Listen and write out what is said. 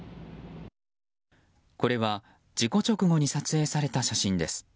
これは事故直後に撮影された写真です。